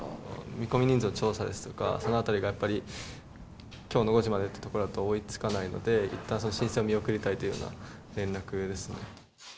見込み人数の調査ですとか、そのあたりがやっぱりきょうの５時までというところだと追いつかないので、いったん申請を見送りたいというような連絡ですね。